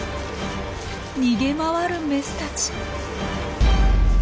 逃げ回るメスたち。